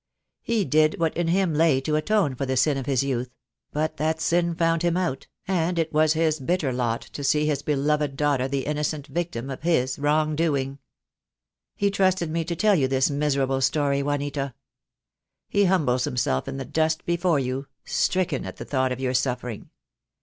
He did what in him lay to atone for the sin of his youth; but that sin found him out, and it was his bitter lot to see his beloved daughter the innocent victim of his wrong doing. He trusted me to tell you this miserable story, Juanita. He humbles himself in the dust before you, stricken at the thought of your suffering.